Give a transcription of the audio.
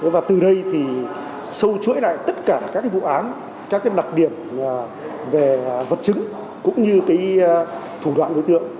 và từ đây thì sâu chuỗi lại tất cả các cái vụ án các cái đặc điểm về vật chứng cũng như cái thủ đoạn đối tượng